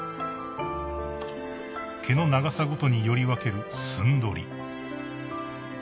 ［毛の長さごとにより分ける］